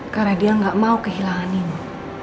karena dia tidak mau kehilanganimu